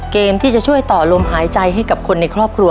เกมที่วิกฤตที่จะช่วยต่อลมหายใจให้ให้คนในครอบครัว